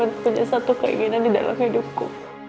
aku cuma punya satu keinginan di dalam hidupku